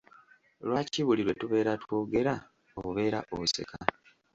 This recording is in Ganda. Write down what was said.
Lwaki buli lwe tubeera twogera obeera oseka?